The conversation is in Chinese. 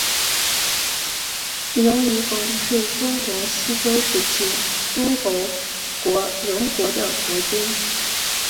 荣夷公是中国西周时期诸侯国荣国的国君。